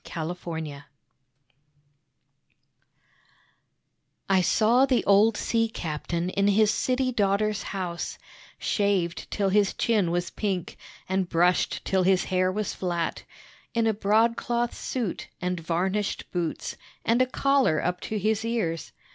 OLD BOATS I saw the old sea captain in his city daughter's house, Shaved till his chin was pink, and brushed till his hair was flat, In a broadcloth suit and varnished boots and a collar up to his ears.